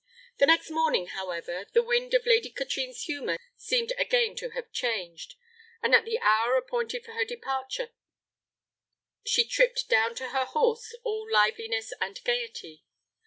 The next morning, however, the wind of Lady Katrine's humour seemed again to have changed; and at the hour appointed for her departure she tripped down to her horse all liveliness and gaiety.